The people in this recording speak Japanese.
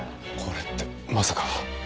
これってまさか。